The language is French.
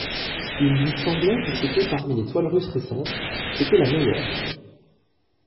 Il lui semblait que c'était parmi les toiles russes récentes, c'était la meilleure.